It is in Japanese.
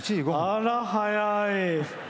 あら、早い！